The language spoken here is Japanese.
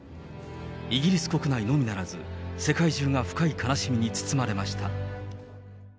イギリス国内のみならず、世界中が深い悲しみに包まれました。